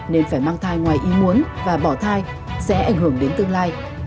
nên phải mang thai ngoài ý muốn và bỏ thai sẽ ảnh hưởng đến tương lai